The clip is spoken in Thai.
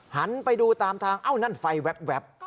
หันไปดูตามทางเอ้านั่นไฟแว๊บ